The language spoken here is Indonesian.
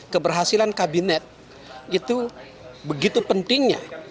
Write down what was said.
keberhasilan kabinet itu begitu pentingnya